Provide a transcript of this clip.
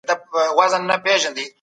تل د پاکوالي هڅه کوئ.